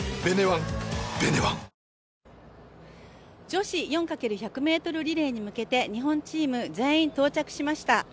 女子４×１００ｍリレーに向けて日本チーム、全員到着しました。